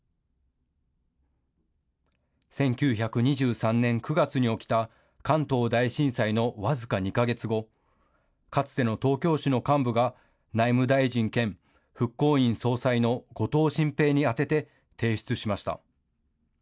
１９２３年９月に起きた関東大震災の僅か２か月後、かつての東京市の幹部が内務大臣兼復興院総裁の後藤新平に宛てて提出しました。